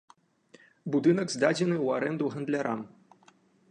Будынак здадзены ў арэнду гандлярам.